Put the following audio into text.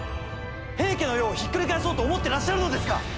平家の世をひっくり返そうと思ってらっしゃるのですか！